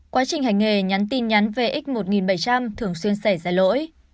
quá trình hành nghề nhắn tin nhắn vx một nghìn bảy trăm linh thường xuyên xảy ra lỗi